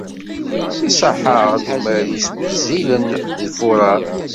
Iṣaḥ-aɣ-d umaris wezzilen deg Fuṛaṛ.